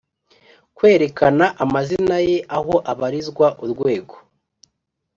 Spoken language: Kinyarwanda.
Kwerekana Amazina Ye Aho Abarizwa Urwego